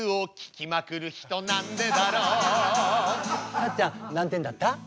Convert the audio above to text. さっちゃん何点だった？